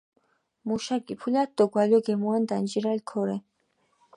მუშა გიფულათ დო გვალო გემუან დანჯირალ ქორე.